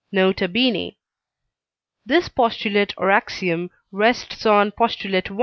N.B. This postulate or axiom rests on Postulate i.